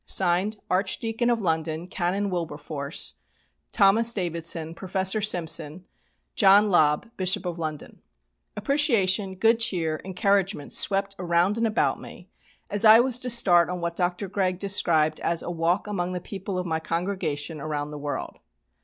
"(Signed) ARCHDEACON OF LONDON, CANON WILBERFORCE. THOMAS DAVIDSON. PROFESSOR SIMPSON. JOHN LOBB. BISHOP OF LONDON." Appreciation, good cheer, encouragement swept around and about me, as I was to start on what Dr. Gregg described as "A walk among the people of my congregation" around the world.